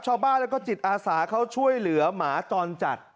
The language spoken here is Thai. ชาวบ้านแล้วก็จิตอาสาเขาช่วยเหลือหมาจรจัด